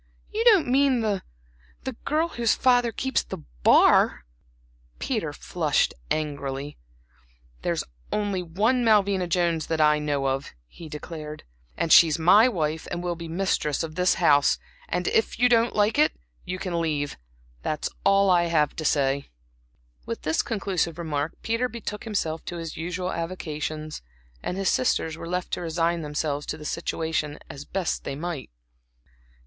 "You don't mean the the girl whose father keeps the bar?" Peter flushed angrily. "There's only one Malvina Jones that I know of" he declared, "and she's my wife and will be the mistress of this house. And so, if you don't like it, you can leave that's all I have to say." With this conclusive remark Peter betook himself to his usual avocations, and his sisters were left to resign themselves to the situation as best they might.